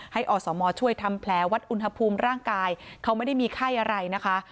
อสมช่วยทำแผลวัดอุณหภูมิร่างกายเขาไม่ได้มีไข้อะไรนะคะ